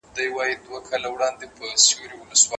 د روسیې امپراطور د ایران شمالي برخې لاندې کړې.